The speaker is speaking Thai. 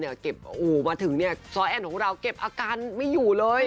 อู่เขามาถึงสอแอนของของเราเก็บอาการไม่อยู่เลย